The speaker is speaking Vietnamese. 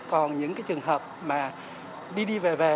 còn những trường hợp mà đi đi về về